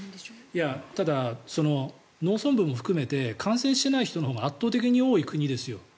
ただ、農村部も含めて感染していない人のほうが圧倒的に多い国ですよ。